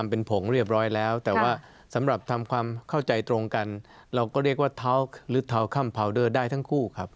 ก็เรียกว่าเท้าหรือเท้าค่ำพาวเดอร์ได้ทั้งคู่ครับ